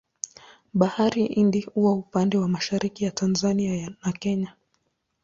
Bahari Hindi huwa upande mwa mashariki ya Tanzania na Kenya.